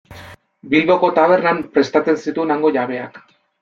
Bilboko tabernan prestatzen zituen hango jabeak.